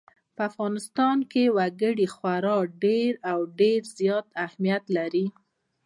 په افغانستان کې وګړي خورا ډېر او ډېر زیات اهمیت لري.